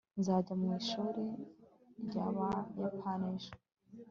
nzajya mu ishuri ryabayapani ejo